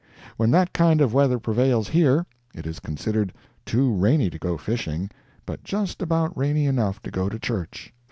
When that kind of weather prevails here, it is considered too rainy to go fishing, but just about rainy enough to go to church.